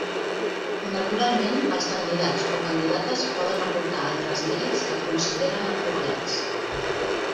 Naturalment, els candidats o candidates poden aportar altres mèrits que consideren apropiats.